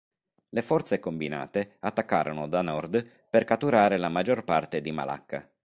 Le forze combinate attaccarono da nord per catturare la maggior parte di Malacca.